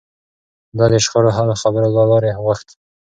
ده د شخړو حل د خبرو له لارې غوښت.